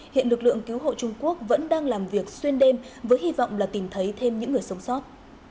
hiện lực lượng cứu hộ trung quốc vẫn đang làm việc xuyên đêm với hy vọng là tìm thấy thêm những người sống sót